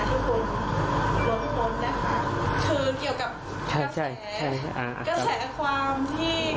คนอื่นอีกตั้ง๗คนนะคะที่แต่เรามาเจ็บในครั้งนี้